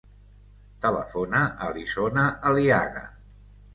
Telefona a l'Isona Aliaga.